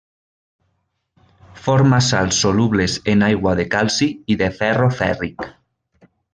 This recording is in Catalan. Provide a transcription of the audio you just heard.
Forma sals solubles en aigua de calci i de ferro fèrric.